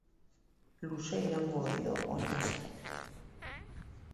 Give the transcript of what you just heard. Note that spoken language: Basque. Luze iraungo dio oinazeak.